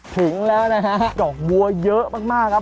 ถึงแล้วนะฮะดอกบัวเยอะมากครับ